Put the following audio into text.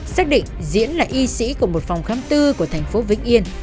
xác định diễn là y sĩ của một phòng khám tư của thành phố vĩnh yên